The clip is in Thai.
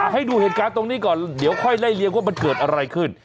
ให้ดูเหตุการณ์ตรงนี้ก่อนเดี๋ยวค่อยไล่เลี้ยว่ามันเกิดอะไรขึ้น